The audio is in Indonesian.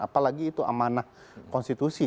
apalagi itu amanah konstitusi